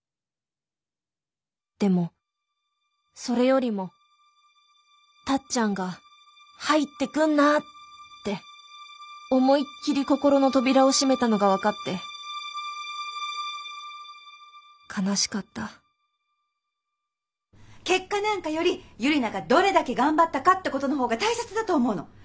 でもそれよりもタッちゃんが「入ってくんな！」って思いっきり心の扉を閉めたのが分かって悲しかった結果なんかよりユリナがどれだけ頑張ったかってことの方が大切だと思うの。